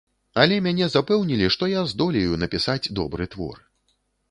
Але мяне запэўнілі, што я здолею напісаць добры твор.